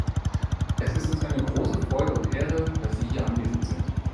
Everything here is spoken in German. Es ist uns eine große Freude und Ehre, dass Sie hier anwesend sind.